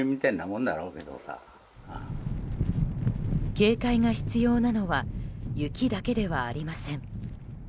警戒が必要なのは雪だけではありません。